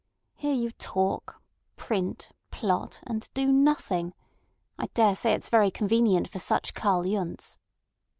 Here you talk, print, plot, and do nothing. I daresay it's very convenient for such Karl Yundts."